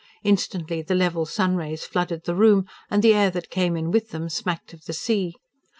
Instantly the level sun rays flooded the room; and the air that came in with them smacked of the sea.